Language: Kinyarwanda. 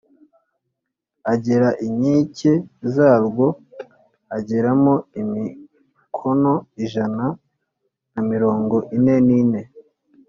Agera inkike zarwo, ageramo imikono ijana na mirongo ine n’ine,